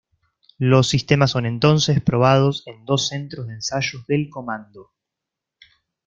Los sistemas son entonces probados en dos centros de ensayo del comando.